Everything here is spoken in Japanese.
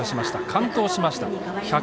完投しました。